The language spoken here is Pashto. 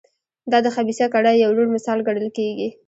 دا د خبیثه کړۍ یو روڼ مثال ګڼل کېږي.